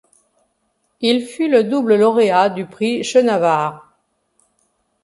Il fut le double lauréat du prix Chenavard.